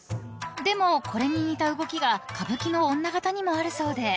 ［でもこれに似た動きが歌舞伎の女形にもあるそうで］